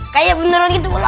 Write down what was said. kayak beneran gitu laba laba